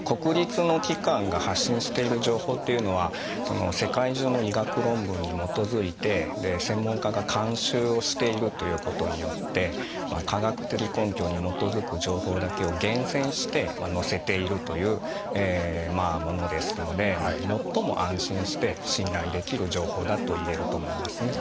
国立の機関が発信している情報というのは世界中の医学論文に基づいて専門家が監修をしているということによって科学的根拠に基づく情報だけを厳選して載せているというものですので最も安心して信頼できる情報だと言えると思いますね。